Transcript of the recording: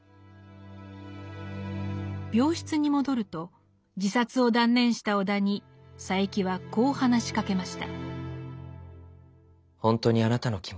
病室に戻ると自殺を断念した尾田に佐柄木はこう話しかけました。